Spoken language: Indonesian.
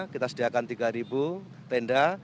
kita sediakan tiga tenda